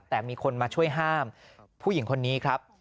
แต่มีคนมาช่วยห้ามผู้หญิงคนนี้ครับ